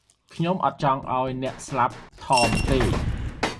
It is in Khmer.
ខ្ញុំអត់ចង់ឱ្យអ្នកសម្លាប់ ថម ទេ ។